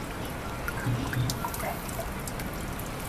Contiene re mezclas de las canciones que se muestran en la lista.